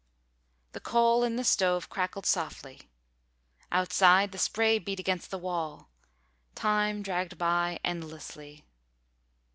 The coal in the stove crackled softly. Outside, the spray beat against the walls. Time dragged by endlessly.